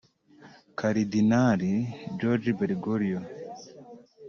Karidinali Jorge Bergoglio